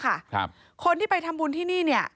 ครับคนที่ไปทำบุญที่นี่เนี่ย